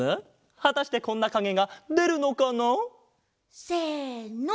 はたしてこんなかげがでるのかな？せの！